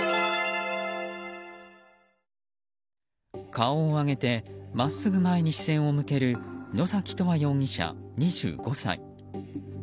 顔を上げて真っすぐ前に視線を向ける野崎永遠容疑者、２５歳。